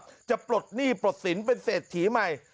คนที่จะปลดหนี้ปลดศิลป์เป็นเศษถีใหม่